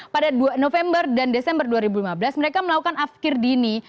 pada november dan desember dua ribu lima belas mereka melakukan afkir dini